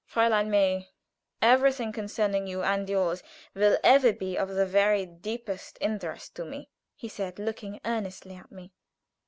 "Fräulein May, everything concerning you and yours will ever be of the very deepest interest to me," he said, looking earnestly at me.